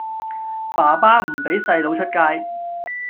爸爸唔畀細佬出街